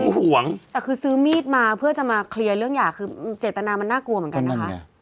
ห่วงแต่คือซื้อมีดมาเพื่อจะมาเคลียร์เรื่องหย่าคือเจตนามันน่ากลัวเหมือนกันนะคะ